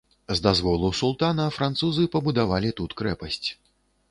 З дазволу султана французы пабудавалі тут крэпасць.